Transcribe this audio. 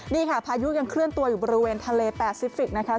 นี่ค่ะพายุยังเคลื่อนตัวอยู่บริเวณทะเลแปซิฟิกนะคะ